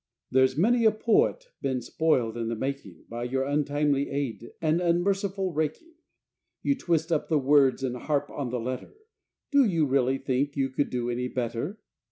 There's many a poet been spoiled in the making By your untimely aid and unmerciful raking. You twist up the words and harp on the letter, Do you really think you could do any better?